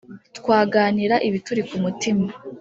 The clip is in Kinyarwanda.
twaganira ibituri ku mutima